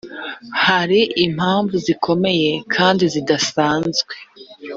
hari impamvu zikomeye kandi zidasanzwe.